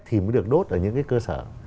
thì mới được đốt ở những cái cơ sở